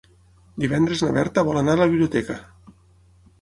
Divendres na Berta vol anar a la biblioteca.